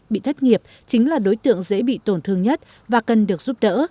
bị thất nghiệp chính là đối tượng dễ bị tổn thương nhất và cần được giúp đỡ